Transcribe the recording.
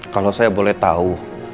kalau saya boleh tahu